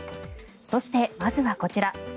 そして、まずはこちら。